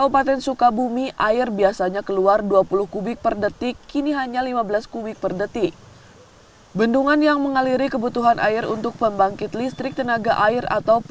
pemilihan gubernur jawa barat